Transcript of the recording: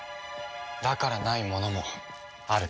だからないものもある。